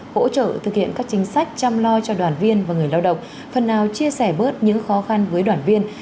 hỗ trợ thực hiện các chính sách chăm lo cho đoàn viên và người lao động phần nào chia sẻ bớt những khó khăn với đoàn viên